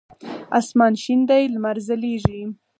اسمان شین دی لمر ځلیږی